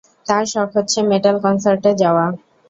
তার শখ হচ্ছে মেটাল কনসার্টে যাওয়া।